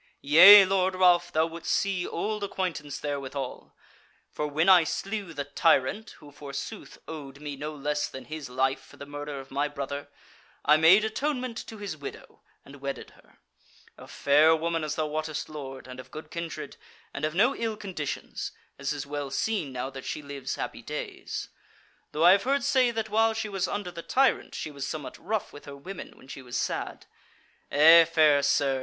Yea, Lord Ralph, thou would'st see old acquaintance there withal: for when I slew the tyrant, who forsooth owed me no less than his life for the murder of my brother, I made atonement to his widow, and wedded her: a fair woman as thou wottest, lord, and of good kindred, and of no ill conditions, as is well seen now that she lives happy days. Though I have heard say that while she was under the tyrant she was somewhat rough with her women when she was sad. Eh, fair sir!